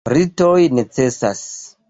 Ritoj necesas.